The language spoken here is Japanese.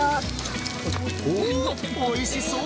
おー、おいしそう。